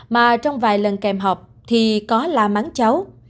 mà trong vài lần kèm học thì có la mắng cháu